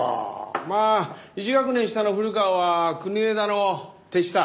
まあ１学年下の古川は国枝の手下。